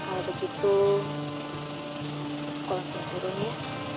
kalau begitu aku langsung turun ya